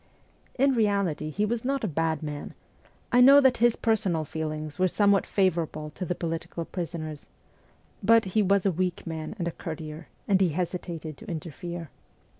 In reality, he was not a bad man I know that his personal feelings were somewhat favourable to the political prisoners ; but he was a weak man and a courtier, and he hesitated to interfere.